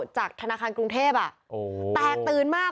จากธนาคารกรุงเทพแตกตื่นมาก